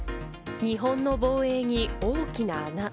日本の防衛に大きな穴。